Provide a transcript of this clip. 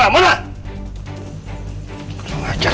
enggak jangan kamu ngakuni